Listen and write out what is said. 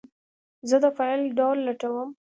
زه د فایل ډول لټوم.